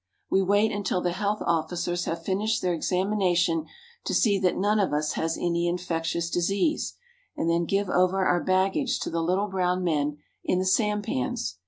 We wait until the health officers have finished their examination to see that none of us has any infectious 32 . JAPAN disease, and then give over our baggage to the little brown men in the sampans.